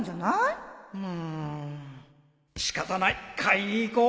うーん仕方ない買いに行こう